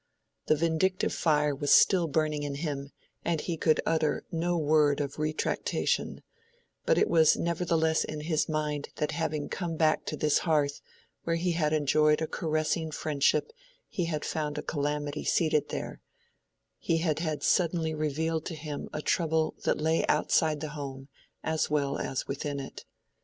The vindictive fire was still burning in him, and he could utter no word of retractation; but it was nevertheless in his mind that having come back to this hearth where he had enjoyed a caressing friendship he had found calamity seated there—he had had suddenly revealed to him a trouble that lay outside the home as well as within it.